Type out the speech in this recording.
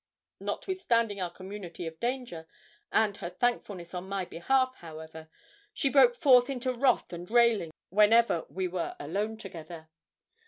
Notwithstanding our community of danger and her thankfulness on my behalf, however, she broke forth into wrath and railing whenever we were alone together.